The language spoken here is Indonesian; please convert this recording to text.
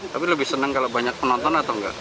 tapi lebih senang kalau banyak penonton atau enggak